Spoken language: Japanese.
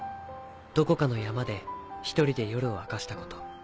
どこかの山で１人で夜を明かしたこと。